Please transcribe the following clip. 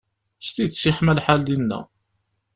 S tidet yeḥma lḥal dinna.